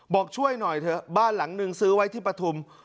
บอกช่วยหน่อยเถอะบ้านหลังนึงซื้อไว้ที่ปฐุม